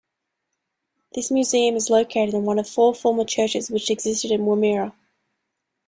This museum is located in one of four former churches which existed in Woomera.